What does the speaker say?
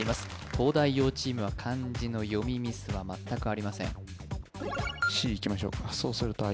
東大王チームは漢字の読みミスは全くありません